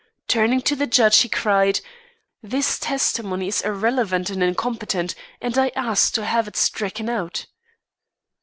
Turning to the judge, he cried: "This testimony is irrelevant and incompetent, and I ask to have it stricken out."